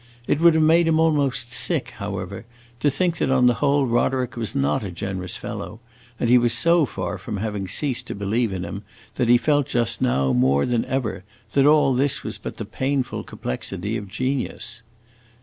It would have made him almost sick, however, to think that, on the whole, Roderick was not a generous fellow, and he was so far from having ceased to believe in him that he felt just now, more than ever, that all this was but the painful complexity of genius.